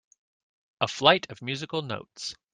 A flight of musical notes.